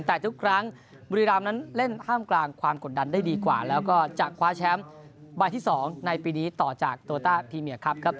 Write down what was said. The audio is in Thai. แต่ทุกครั้งบุรีรามนั้นเล่นท่ามกลางความกดดันได้ดีกว่าแล้วก็จะคว้าแชมป์ใบที่๒ในปีนี้ต่อจากโตต้าพรีเมียครับครับ